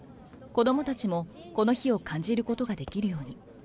子どもたちもこの日を感じることができるように。